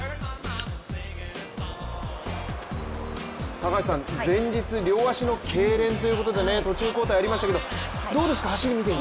高橋さん、前日両足のけいれんということで途中交代ありましたけどどうですか、走りを見ていて。